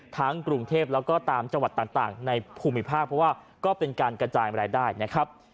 กรุงเทพแล้วก็ตามจังหวัดต่างในภูมิภาคเพราะว่าก็เป็นการกระจายมารายได้นะครับ